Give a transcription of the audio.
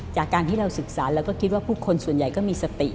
จากการที่เราศึกษาเราก็คิดว่าผู้คนส่วนใหญ่ก็มีสติ